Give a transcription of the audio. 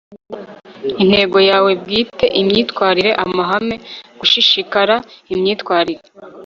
intego yawe bwite, imyitwarire, amahame, gushishikara, imyitwarire